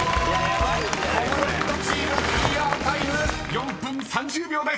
［コムドットチームクリアタイム４分３０秒です］